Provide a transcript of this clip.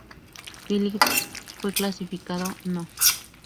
Phillips fue clasificado no.